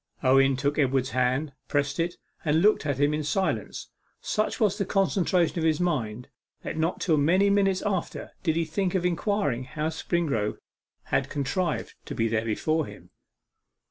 Owen took Edward's hand, pressed it, and looked at him in silence. Such was the concentration of his mind, that not till many minutes after did he think of inquiring how Springrove had contrived to be there before him.